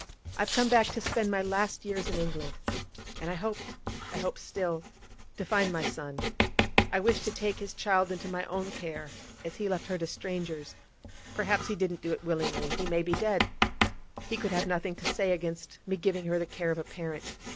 'I've come back to spend my last years in England, and I hoped—I hope still—to find my son. I wish to take his child into my own care; as he left her to strangers—perhaps he didn't do it willingly; he may be dead—he could have nothing to say against me giving her the care of a parent.